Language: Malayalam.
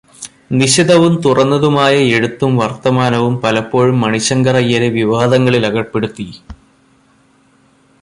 നിശിതവും തുറന്നതുമായ എഴുത്തും വർത്തമാനവും പലപ്പോഴും മണിശങ്കർ അയ്യരെ വിവാദങ്ങളിൽ അകപ്പെടുത്തി.